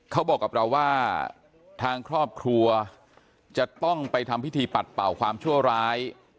เขาบอกกับเราว่าทางครอบครัวจะต้องไปทำพิธีปัดเป่าความชั่วร้าย